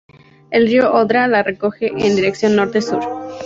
El río Odra la recorre en dirección norte sur.